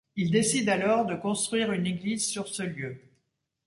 Il décide alors de construire une église sur ce lieu.